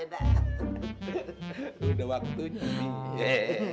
abah sama umi adek apa ya